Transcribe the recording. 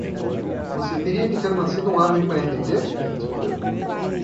"Você teria que ter nascido um árabe para entender?" ele respondeu.